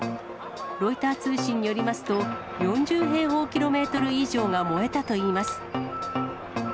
ロイター通信によりますと、４０平方キロメートル以上が燃えたといいます。